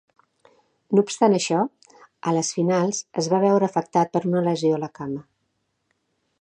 No obstant això, a les finals es va veure afectat per una lesió a la cama.